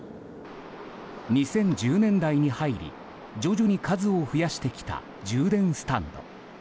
２０１０年代に入り徐々に数を増やしてきた充電スタンド。